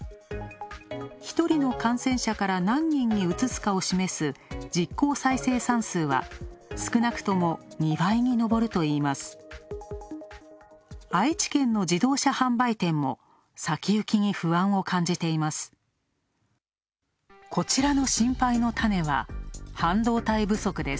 一人の感染者から何人にうつすかを示す実効再生産数は、少なくとも２倍に上るといいます。